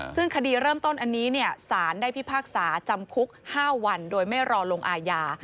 ซึ่งคดีเริ่มต้นอันนี้สารได้พิพากษาจำคุก๕วันโดยไม่รอลงอาญา